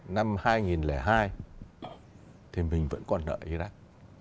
năm hai nghìn hai thì mình vẫn còn nợ iraq